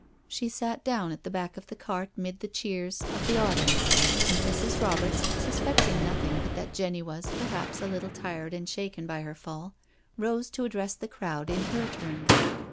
She sat down at the back of the cart 'mid the cheers 136 NO SURRENDER of the audience, and Mrs. Roberts, suspecting nothing but that Jenny was, perhaps, a little tired and shaken by her fall, rose to address the crowd in her turn.